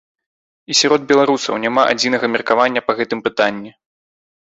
І сярод беларусаў няма адзінага меркавання па гэтым пытанні.